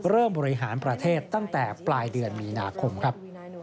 บริหารประเทศตั้งแต่ปลายเดือนมีนาคมครับ